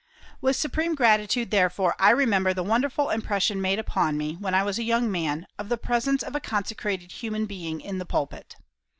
With supreme gratitude, therefore, I remember the wonderful impression made upon me, when I was a young man, of the presence of a consecrated human being in the pulpit.